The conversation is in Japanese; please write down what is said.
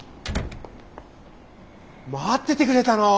待っててくれたの！？